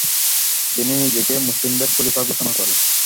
তিনি নিজেকে মুসলিমদের খলিফা ঘোষণা করেন।